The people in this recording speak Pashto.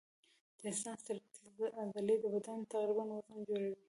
د انسان سکلیټي عضلې د بدن تقریباً وزن جوړوي.